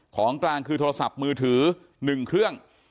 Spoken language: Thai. ของกลางคือโทรศัพท์มือถือ๑เครื่อง